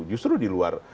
justru di luar